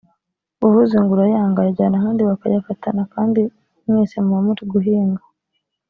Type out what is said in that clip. uvuze ngo urayanga ayajyana ahandi bakayafata kandi mwese muba muri guhinga